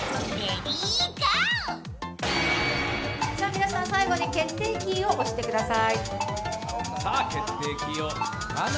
皆さん最後に決定キーを押してください。